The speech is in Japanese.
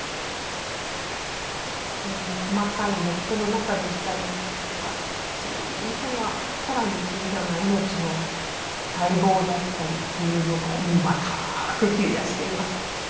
これも細かい根っこの中でしたりまた小さなさらに小さな命の細胞だったりっていうものを細かーく切り出しています。